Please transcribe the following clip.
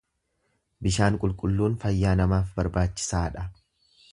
Bishaan qulqulluun fayyaa namaaf barbaachisaa dha.